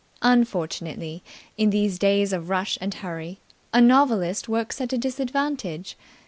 Unfortunately, in these days of rush and hurry, a novelist works at a disadvantage.